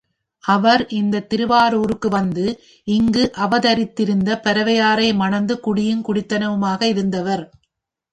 அவர் இந்தத் திருவாரூருக்கு வந்து, இங்கு அவதரித்திருந்த பரவையாரை மண்ந்து குடியும் குடித்தனமுமாக இருந்தவர்.